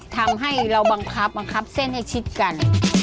ทำให้เราบังคับบังคับเส้นให้ชิดกัน